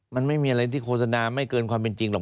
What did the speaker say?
มันไม่มีอะไรที่โฆษณาไม่เกินความเป็นจริงหรอก